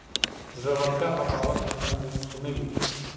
زړورتيا او باور په تنګ ذهن کې نه وي.